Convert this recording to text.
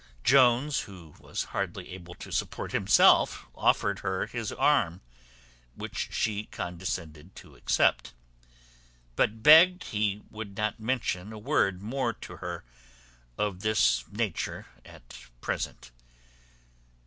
Jones, who was hardly able to support himself, offered her his arm, which she condescended to accept, but begged he would not mention a word more to her of this nature at present.